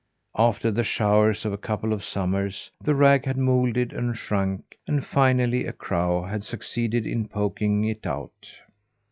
After the showers of a couple of summers, the rag had moulded and shrunk, and, finally, a crow had succeeded in poking it out.